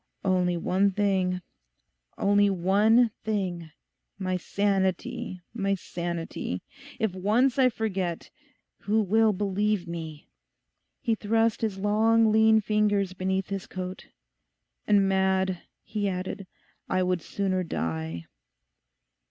'Only one thing—only one thing—my sanity, my sanity. If once I forget, who will believe me?' He thrust his long lean fingers beneath his coat. 'And mad,' he added; 'I would sooner die.